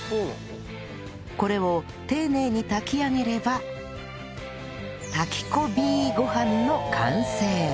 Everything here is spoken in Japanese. これを丁寧に炊き上げれば炊き込ビーごはんの完成